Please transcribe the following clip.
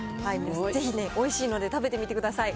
ぜひ、おいしいので食べてみてください。